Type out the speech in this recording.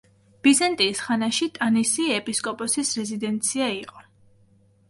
ბიზანტიის ხანაში ტანისი ეპისკოპოსის რეზიდენცია იყო.